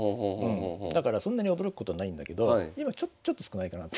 だからそんなに驚くことないんだけど今ちょっと少ないかなと。